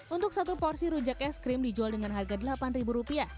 untuk satu porsi rujak es krim dijual dengan harga rp delapan